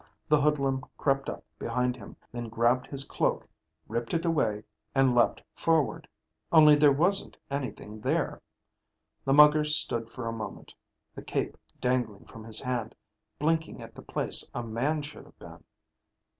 The hoodlum crept up behind him, then grabbed his cloak, ripped it away, and leaped forward. Only there wasn't anything there. The mugger stood for a moment, the cape dangling from his hand, blinking at the place a man should have been.